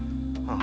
あ。